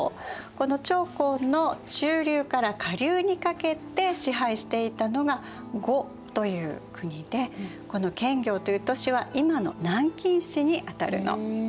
この長江の中流から下流にかけて支配していたのが呉という国でこの建業という都市は今の南京市にあたるの。